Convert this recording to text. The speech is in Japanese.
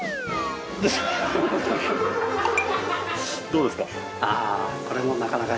どうですか？